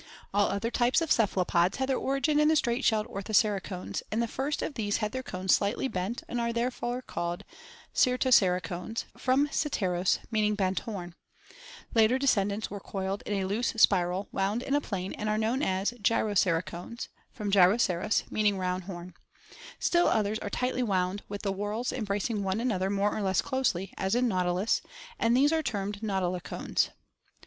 All other types of cephalopods had their origin in the straight shelled Orthoceracones and the first of these had their cones slightly bent and are therefore called Cyrloceracones (from Cyrloceras, meaning bent korn); later descendants were coiled F|0 —owAe in a loose spiral wound in a plane and are known as ceres shell. (From Gyroceracones (from Gyroceras, meaning round Schuchert's Hiiior horn); still others are tightly wound, with the °' whorls embracing one another more or less closely, as in Nautilus, and these are termed Nautiltcones.